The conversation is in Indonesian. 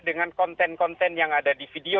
dengan konten konten yang ada di video